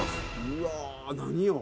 うわー何よ？